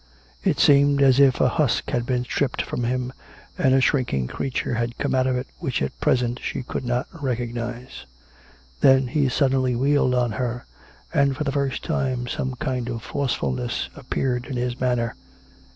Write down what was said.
It seemed as if a husk had been stripped from him, and a shrinking creature had come out of it which at present she could not recognise. Then he suddenly wheeled on her, and for the first time some kind of forcefulness appeared in his manner.